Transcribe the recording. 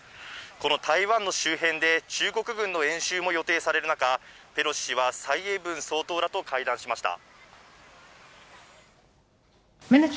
この台湾の周辺で、中国軍の演習も予定される中、ペロシ氏は蔡英文総統らと会談しました。